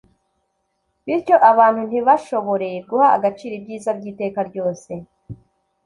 Bityo abantu ntibashobore guha agaciro ibyiza by'iteka ryose.